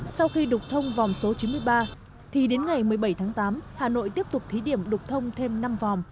sau khi đục thông vòng số chín mươi ba thì đến ngày một mươi bảy tháng tám hà nội tiếp tục thí điểm đục thông thêm năm vòng